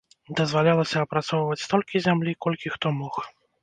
Дазвалялася апрацоўваць столькі зямлі, колькі хто мог.